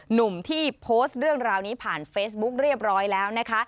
หนุ่มที่โพสต์เรื่องราวนี้ผ่านเฟซบุ๊กเรียบร้อยแล้วนะคะ